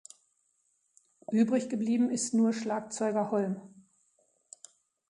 Übriggeblieben ist nur Schlagzeuger Holm.